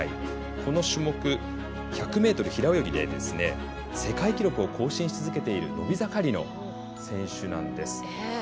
この種目、１００ｍ平泳ぎで世界記録を更新し続けている伸び盛りの選手なんです。